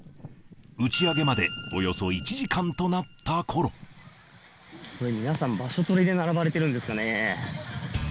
打ち上げまでおよそ１時間となっ皆さん、場所取りで並ばれてるんですかね。